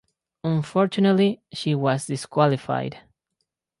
Unfortunately she was disqualified.